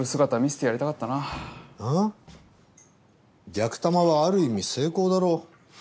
逆玉はある意味成功だろ。